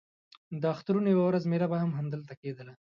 د اخترونو یوه ورځ مېله به هم همدلته کېدله.